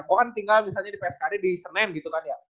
oh kan tinggal misalnya di pskd di senen gitu kan ya